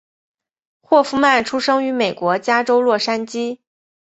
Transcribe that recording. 霍夫曼出生于美国加州洛杉矶。